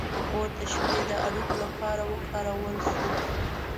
• اور د شپې د اړیکو لپاره وکارول شو.